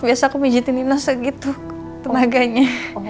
biasanya aku pijetin nino segitu tenaganya